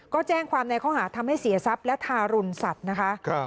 ก็แจ้งความในข้อหาทำให้เสียทรัพย์และทารุณสัตว์นะคะ